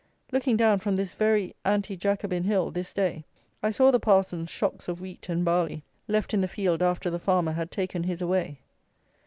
Looking down from this very anti jacobin hill, this day, I saw the parsons' shocks of wheat and barley, left in the field after the farmer had taken his away.